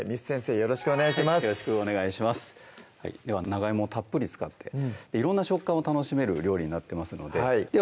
よろしくお願いしますでは長いもをたっぷり使って色んな食感を楽しめる料理になってますのででは